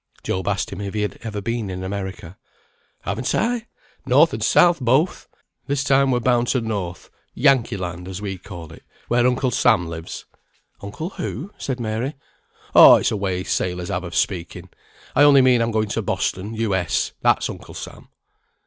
Job asked him if he had ever been in America. "Haven't I? North and South both! This time we're bound to North. Yankee Land, as we call it, where Uncle Sam lives." "Uncle who?" said Mary. "Oh, it's a way sailors have of speaking. I only mean I'm going to Boston, U. S., that's Uncle Sam."